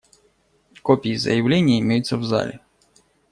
Копии заявления имеются в зале.